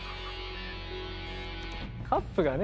カップがね。